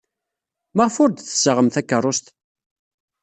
Maɣef ur d-tessaɣem takeṛṛust?